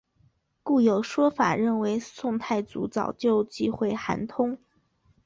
故有说法认为宋太祖早就忌讳韩通。